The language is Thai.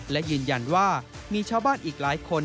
และยืนยันว่ามีชาวบ้านอีกหลายคน